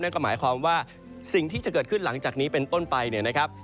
ก็หมายความว่าสิ่งที่จะเกิดขึ้นหลังจากนี้เป็นต้นไปเนี่ยนะครับ